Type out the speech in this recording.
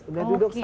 udah duduk saya